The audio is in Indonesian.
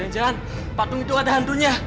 jangan jangan patung itu ada hantunya